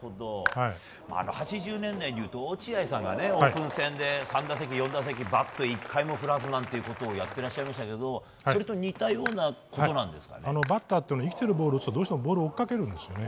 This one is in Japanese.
８０年代に落合さんがオープン戦で３打席、４打席でバット１回も振らずなんていうことをやってましたけどバッターというのは生きているボールをどうしても追いかけるんですね。